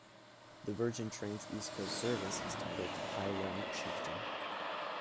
The Virgin Trains East Coast service is titled 'The Highland Chieftain'.